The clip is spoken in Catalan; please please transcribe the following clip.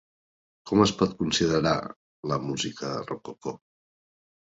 Com es pot considerar la música rococó?